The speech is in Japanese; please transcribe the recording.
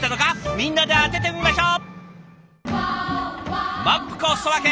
みんなで当ててみましょう！